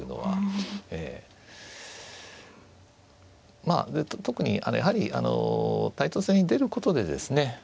まあで特にやはりタイトル戦に出ることでですね